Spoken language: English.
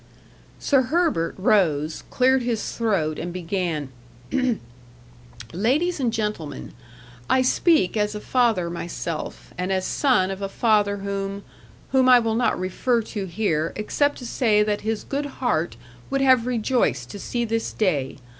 Sir Herbert rose, cleared his throat, and began: "Ladies and gentlemen, I speak as a father myself, and as son of a father whom whom I will not refer to here, except to say that his good heart would have rejoiced to see this day.